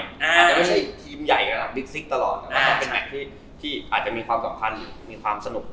แต่ไม่ใช่ทีมใหญ่มีสิคตรอแต่ก็เป็นแมคที่อาจจะมีความสนุก